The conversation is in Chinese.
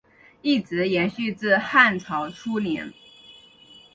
一直延续至汉朝初年。